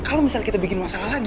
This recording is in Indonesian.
kalau misalnya kita bikin masalah lagi